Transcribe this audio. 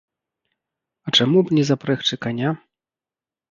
А чаму б не запрэгчы каня?